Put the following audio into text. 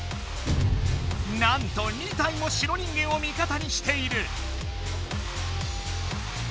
なんと２体も白人間を味方にしている。